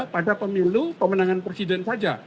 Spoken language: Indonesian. pada pemilu pemenangan presiden saja